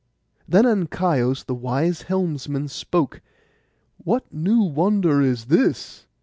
Then Ancaios, the wise helmsman, spoke, 'What new wonder is this?